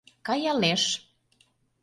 Каялеш...